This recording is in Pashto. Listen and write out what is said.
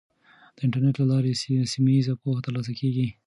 د انټرنیټ له لارې سیمه ییزه پوهه ترلاسه کیږي.